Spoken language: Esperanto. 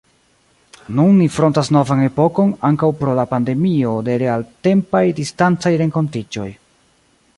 Nun ni frontas novan epokon, ankaŭ pro la pandemio, de realtempaj, distancaj renkontiĝoj.